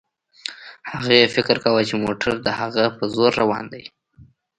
هغې فکر کاوه چې موټر د هغې په زور روان دی.